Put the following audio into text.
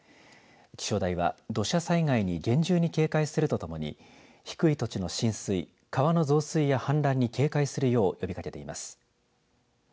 気象台は土砂災害に厳重に警戒するとともに低い土地の浸水川の増水や氾濫に警戒するよう呼びかけています。